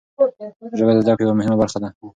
ژبه د زده کړې یوه مهمه برخه ده.